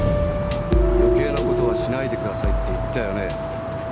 余計なことはしないでくださいって言ったよね先生？